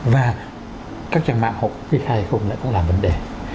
và các trang mạng họ kê khai không lại có làm vấn đề